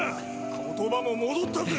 言葉も戻ったぜ！